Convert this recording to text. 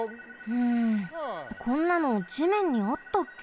うんこんなの地面にあったっけ？